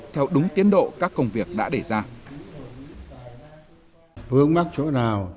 theo đúng tiến độ các công việc đã để ra